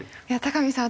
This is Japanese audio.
見さん